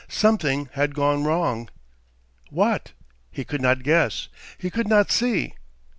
Something had gone wrong. What? He could not guess; he could not see.